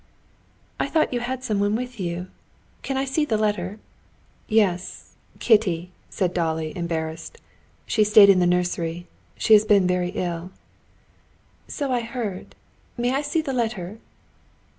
"I thought you had someone with you. Can I see the letter?" "Yes; Kitty," said Dolly, embarrassed. "She stayed in the nursery. She has been very ill." "So I heard. May I see the letter?"